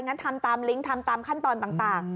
งั้นทำตามลิงก์ทำตามขั้นตอนต่าง